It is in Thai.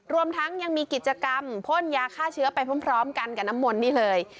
รวมทั้งยังมีกิจกรรมพ่นยาฆ่าเชื้อไปพร้อมกันกับน้ำมนต์นี่เลย